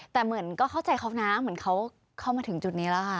แต่เหมือนก็เข้าใจเขานะเหมือนเขาเข้ามาถึงจุดนี้แล้วค่ะ